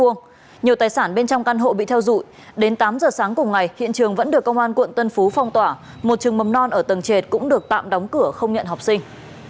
nhiều tài sản bên trong căn hộ bị theo dụi đến tám giờ sáng cùng ngày hiện trường vẫn được công an quận tân phú phong tỏa một trường mầm non ở tầng trệt cũng được tạm đóng cửa không nhận học sinh